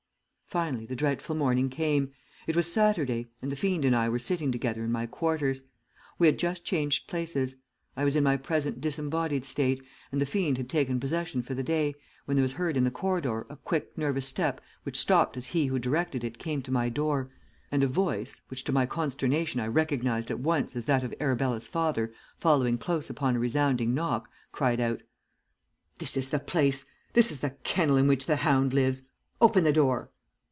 "Finally the dreadful morning came. It was Saturday, and the fiend and I were sitting together in my quarters. We had just changed places. I was in my present disembodied state, and the fiend had taken possession for the day, when there was heard in the corridor a quick nervous step which stopped as he who directed it came to my door, and a voice, which to my consternation I recognized at once as that of Arabella's father following close upon a resounding knock, cried out, "'This is the place. This is the kennel in which the hound lives. Open the door!'